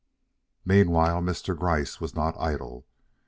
Meanwhile, Mr. Gryce was not idle.